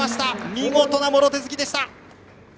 見事なもろ手突きでした！